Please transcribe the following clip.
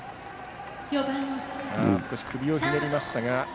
少し首をひねりましたが。